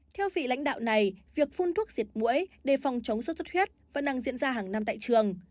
theo vị lãnh đạo này việc phun thuốc diệt mũi để phòng chống sốt xuất huyết vẫn đang diễn ra hàng năm tại trường